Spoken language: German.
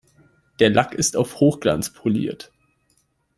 Der Lack ist auf Hochglanz poliert.